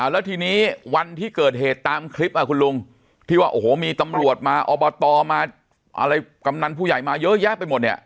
แล้วทีนี้วันที่เกิดเหตุตามคลิปคุณลุงที่ว่าโอ้โหมีตำรวจมาอบตมาอะไรกำนันผู้ใหญ่มาเยอะแยะไปหมดเนี่ย